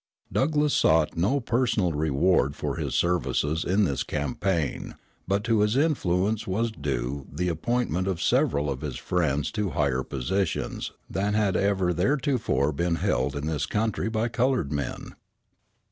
Douglass sought no personal reward for his services in this campaign, but to his influence was due the appointment of several of his friends to higher positions than had ever theretofore been held in this country by colored men.